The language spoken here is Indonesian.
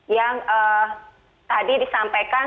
yang tadi disampaikan